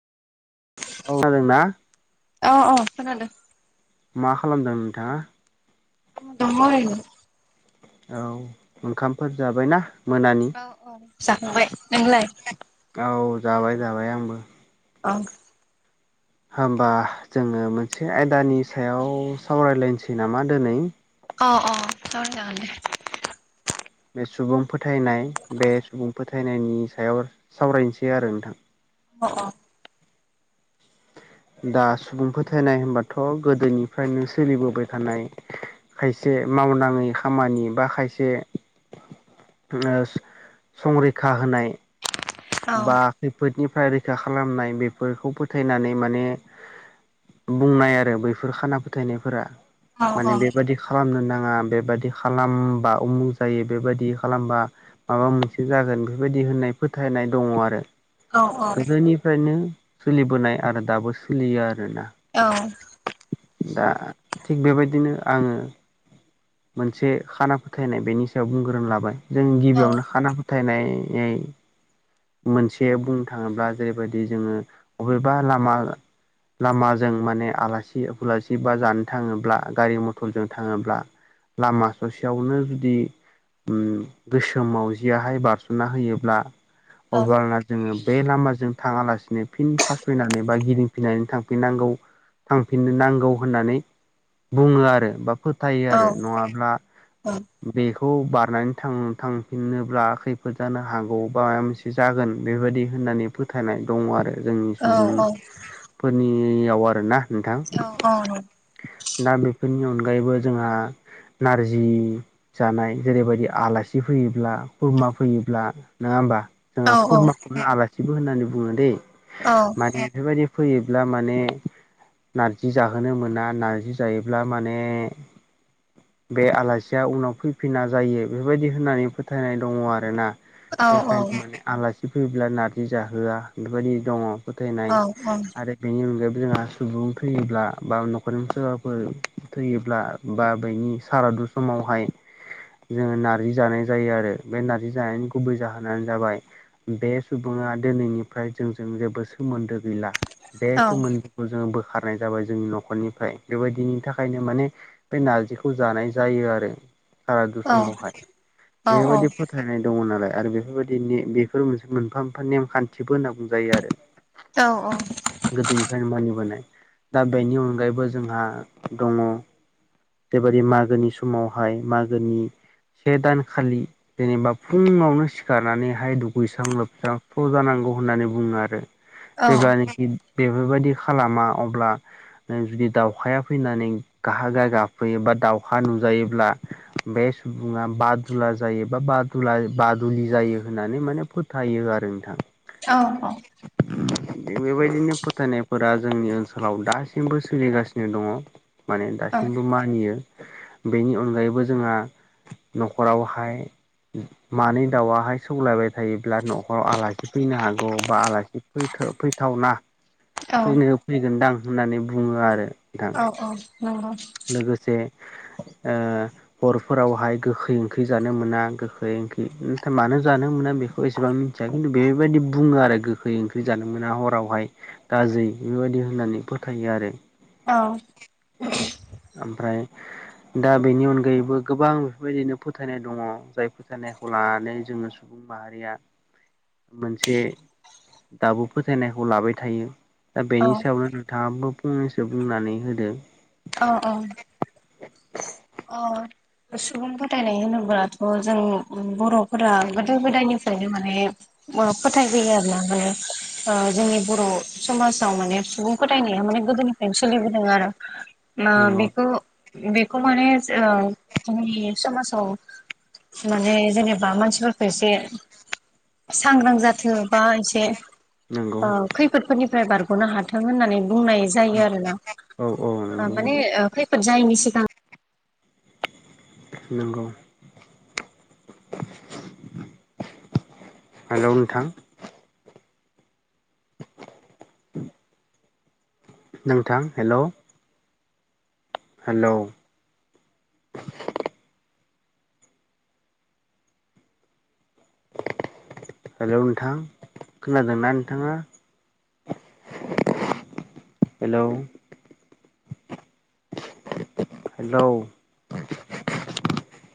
औ खोनादोंना औ औ खोनादों। मा खालामदों नोंथाङा? दङ ओरैनो। औ ओंखामफोर जाबायना? मोनानि औ औ जाखांबाय नोंलाय? औ जाबाय जाबाय आंबो। औ। होनबा जोङो मोनसे आयदानि सायाव सावरायलायनोसै नामा दोनै? अ अ सावराय जागोन दे। बे सुबुं फोथायनाय बे सुबुं फोथायनायनि सायाव सावरायनोसै आरो नोंथां। अह अह। दा सुबुं फोथायनाय होनबाथ' गोदोनिफ्रायनो सोलिबोबाय थानाय खायसे मावनाङै खामानि बा खायसे ओ संरैखा होनाय औ बा खैफोदनिफ्राय रैखा खालामनाय बेफोरखौ फोथायनानै माने बुंनाय आरो बैफोर खाना फोथायनायफोरा औ माने बेबादि खालामनो नाङा बेबायदि खालामबा उमुख जायो बेबायदि खालामबा माबा मोनसे जागोन बेफोरबायदि होननाय फोथायनाय। दङ आरो औ औ गोदोनिफ्रायनो सोलिबोनाय आरो दाबो सोलियो आरोना। औ। दा थिग बेबायदिनो आङो मोनसे खाना फोथायनाय बेनि सायाव बुंग्रोनो लाबाय जों गिबियावनो खाना फोथायनाय मोनसे बुंनो थाङोब्ला जेरैबायदि जोङो बबेबा लामा लामाजों माने आलासि उलासि बा जानो थाङोब्ला गारि मथरजों थाङोब्ला लामा ससेयावनो जुदि ओम गोसोम मावजियाहाय बारस'ना होयोब्ला अब्लाना जोङो बे लामाजों थाङालासिनो फिन फासयनानै बा गिदिंफिननानै थांफिननांगौ थांफिननो नांगौ होननानै बुङो आरो बा फोथायो आरो नङाब्ला बेखौ बारनानै थां थांफिनोब्ला खैफोद जानो हागौ बा माबा मोनसे जागोन बेबायदि होननानै फो थायनाय दङ आरो जोंनि सुबुंफोरनियाव आरोना नोंथां। औ औ नंगौ। दा बेफोरनि अनगायैबो जोंहा नारजि जानाय जेरैबायदि आलासि फैयोब्ला खुरमा फैयोब्ला नङा होमबा। जोंहा खुरमाखौनो आलासिबो होननानै बुङो दैे। औ। माने बेबायदि फैयोब्ला माने नारजि जाहोनो मोन ना नारजि जायोब्ला माने बे आलासिया उनाव फैफिना जायो बेबायदि होननानै फोथायनाय दङ आरोना। औ औ नंगौ बेखायनो माने आलासि नार्जि जाहोआ बेबायदि दङ। फोथायनाय आरो बेनि अनगायैबो जोंहा सुबुं थैयोब्ला बा न‌ माने सोरबाफोर थैयोब्ला बा बेनि सारादु समावहाय जोंङो नार्जि जानाय जायो आरो बे नारजि जानायनि गुबै जाहोन नानो जाबाय बे सुबुङा दिनैनिफ्राय जोंजों जेबो सोमोन्दो गैला। बे सोमोन्दैखौ जोंङो बोखारनाय जाबाय जोंनि न'खरनि। फ्राय बेबायदिनि थाखायनो माने बे नारजिखौ जानाय जायो आरो। सारादु समाव औ हाय बेबायदि फोथायनाय दङ नालाय आरो बेफोरबायदि नि बेफोर मोनसे मोनफा मोनफा नेमखान्थिबो होनना बुंजायो आरो। औ औ। गोदोनिफ्रायनो मानिबोनाय दा बेनि अनगायैबो जोंहा दङ। बेबायादि मागोनि समाव हाय मागोनि से दानखालि जेनेबा फुङावनो सिखारनानैहाय दुगैस्रां लोबस्रां स्र' जानांगौ होननानै बुङो आरो। जेब्लानाखि बेफोरबायदि खालामा अब्ला नों जुदि दावखाया फैनानै गा गा गाबफैयो बा दाउखा नुजायोब्ला बे सुबुङा बादुला जायो बा बादुला बादुलि जायो होननानै माने फो थायो आरो नोंथां। औ औ। बेबायदिनो फोथायनायफोरा जोंनि ओनसोलाव दासिमबो सोलिगासिनो। नो दङ माने दासिमबो मानियो बेनि अनगायैबो जोंहा। न'खरावहाय मानै दाउआ हाय सौलायबाय थायोब्ला न'खराव आलासि फैनो हागौ बा आलासि फैथो फैथावना। फैनायाव फैगोनदां होननानै बुङो आरो। नोंथां औ-औ नंगौ। लोगोसे ओ हरफोरावहाय गोखै ओंख्रि जानो मोना गोखै ओंख्रि नाथाय मानो जानो मोना बेखौ एसेबां मि थिया खिन्थु बेबायदि बुङो आरो गोखै ओंख्रि जानो मोना हरावहाय। दाजै बेबायदि होननानै फोथायो आरो। औ। [inaudible] ओमफ्राय दा बेनि अनगायैबो गोबां बेफोरबायदिनो फोथायनाय दङ जाय फोथायनायखौ लानानै जोंङो सु सुबुं माहारिया मोनसे दाबो फोथायनायखौ लाबाय थायो। दा बेनि सायावनो नोंथाङाबो फंनैसो बुंनानै होदो। अ-औ। अ। सुबुं फोथायनाय होनोब्लाथ जों बरफोरा गोदो गोदायनिफ्रायनो माने अ फोथायबोयो आरो ना माने ओ जोंनि बर समाजाव माने सुबुं फोथायनाया माने गोदोनिफ्रायनो सोलिबोदों आरो ना नंगौ बेखौ-बेखौ माने ओ जोंनि समाजाव माने जेनेबा मानसिफोरखौ एसे सांग्रां जाथों बा एसे नंगौ औ खैफोदफोरनिफ्राय बारगनो हाथों होननानै बुंनाय जायो आरो ना औ औ ओ नंगौ माने ओ खै फोद जायिनि सिगां नंगौ हेलौ नोंथां [inaudible] नोंथां हेलौ हेलौ हेलौ नोंथां खोनादोंना नोंथाङा हेलौ हेलौ